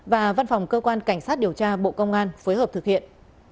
và văn phòng cơ quan cảnh sát điều tra bộ công an phối hợp thực hiện